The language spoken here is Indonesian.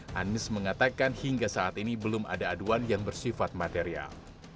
hanis mengatakan hingga saat ini belum ada aduan yang bersifat material